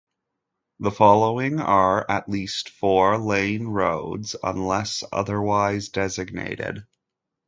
The following are at least four-lane roads, unless otherwise designated.